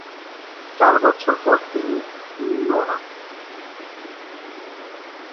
চার বছর পর তিনি সিইও হন।